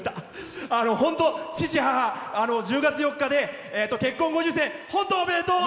父、母、１０月４日で結婚５０周年、本当おめでとう！